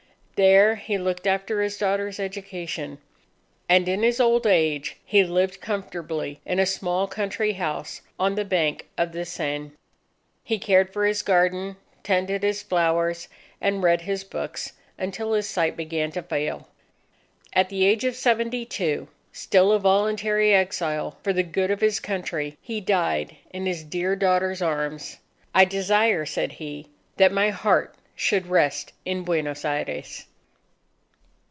There he looked after his daughter's education. And in his old age, he lived comfortably in a small country house on the bank of the Seine. He cared for his garden, tended his flowers, and read his books, until his sight began to fail. At the age of seventy two, still a voluntary exile for the good of his Country, he died in his dear daughter's arms. "I desire," said he, "that my heart should rest in Buenos Aires."